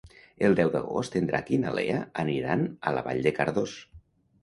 El deu d'agost en Drac i na Lea aniran a Vall de Cardós.